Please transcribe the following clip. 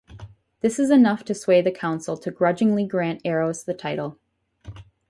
This is enough to sway the council to grudgingly grant Eros the title.